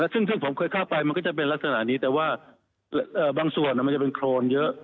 ซึ่งผมเคยเข้าไปมันก็จะเป็นลักษณะนี้แต่ว่าบางส่วนมันจะเป็นโครนเยอะ